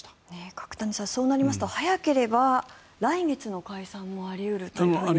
角谷さん、そうなりますと早ければ来月の解散もあるとみていらっしゃる。